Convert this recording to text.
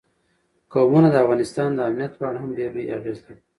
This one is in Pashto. قومونه د افغانستان د امنیت په اړه هم ډېر لوی اغېز لري.